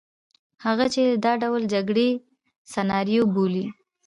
هغه چې دا ډول جګړې سناریو بولي.